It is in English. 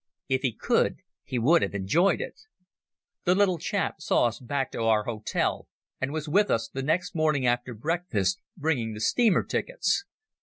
If he could he would have enjoyed it. The little chap saw us back to our hotel, and was with us the next morning after breakfast, bringing the steamer tickets.